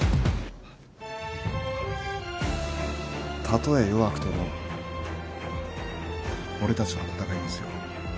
たとえ弱くても俺たちは戦いますよ。